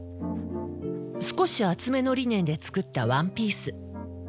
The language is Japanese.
少し厚めのリネンで作ったワンピース。